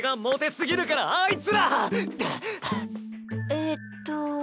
えっと。